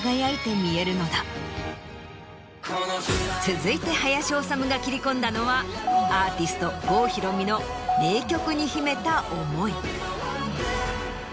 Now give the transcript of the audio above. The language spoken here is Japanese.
続いて林修が切り込んだのはアーティスト郷ひろみの名曲に秘めた思い。